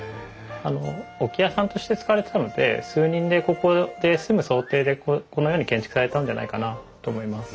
置き屋さんとして使われてたので数人でここで住む想定でこのように建築されたんじゃないかなと思います。